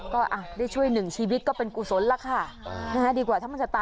ก็ได้ช่วยหนึ่งชีวิตก็เป็นกุศลล่ะค่ะ